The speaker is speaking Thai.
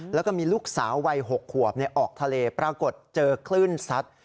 แล้วก็มีลูกสาววัย๖ขวบออกทะเลปรากฏเจอคลื่นซัด